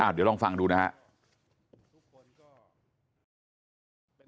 เดี๋ยวลองฟังดูนะฮะ